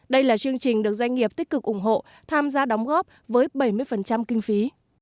đây là chương trình được doanh nghiệp tích cực ủng hộ tham gia đóng góp với bảy mươi kinh phí